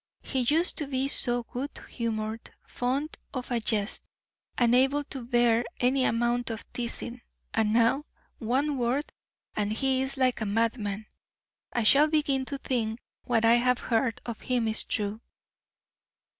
"He used to be so good humored, fond of a jest, and able to bear any amount of teasing; and now, one word, and he is like a madman. I shall begin to think what I have heard of him is true."